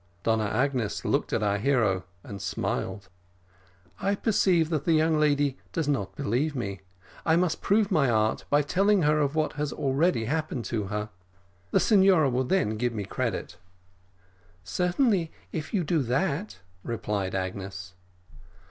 Donna Agnes looked at our hero, and smiled. "I perceive that the young lady does not believe me; I must prove my art, by telling her of what has already happened to her. The signora will then give me credit." "Certainly, if you do that," replied Agnes.